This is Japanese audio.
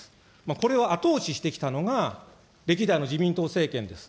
これを後押ししてきたのが、歴代の自民党政権です。